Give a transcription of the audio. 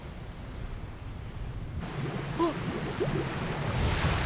あっ！